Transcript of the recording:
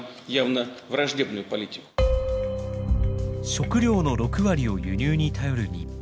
食料の６割を輸入に頼る日本。